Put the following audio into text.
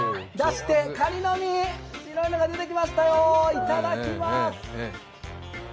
白い身が出てきましたよ、いただきます。